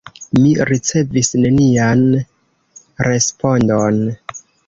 Mi ricevis nenian respondon.